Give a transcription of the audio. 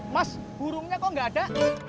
mas burungnya kok nggak ada